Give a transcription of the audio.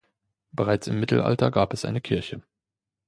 Bereits im Mittelalter gab es eine Kirche.